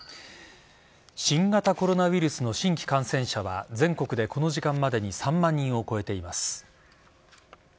新型コロナウイルスの新規感染者は全国でこの時間までに３万人を超えています。